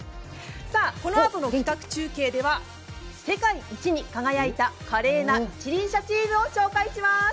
さあ、このあとの企画中継では世界一に輝いた華麗な一輪車チームを紹介します。